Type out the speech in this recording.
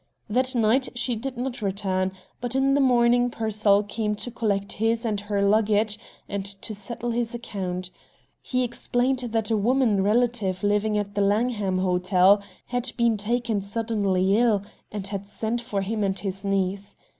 That night she did not return, but in the morning Pearsall came to collect his and her luggage and to settle his account. He explained that a woman relative living at the Langham Hotel had been taken suddenly ill, and had sent for him and his niece.